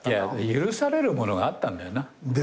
許されるものがあったんだよな。